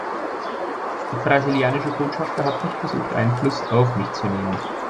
Der brasilianische Botschafter hat nicht versucht, Einfluss auf mich zu nehmen.